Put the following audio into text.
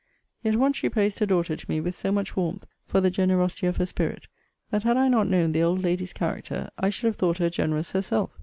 Yet once she praised her daughter to me with so much warmth for the generosity of her spirit, that had I not known the old lady's character, I should have thought her generous herself.